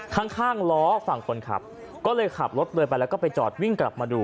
ฮั่งล้อฟั่งคนขับก็เลยขับรถไปแล้วก็ไปจอดวิ่งกลับมันดู